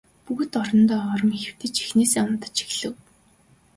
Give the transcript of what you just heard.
Бүгд орондоо орон хэвтэж эхнээсээ унтаж эхлэв.